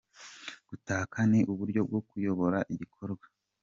Gutaka ni uburyo bwo kuyobora igikorwa.